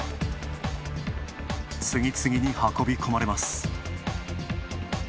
次々に運び込まれます。